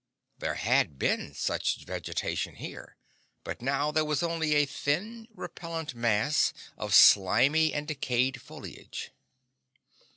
There had been such vegetation here, but now there was only a thin, repellent mass of slimy and decaying foliage.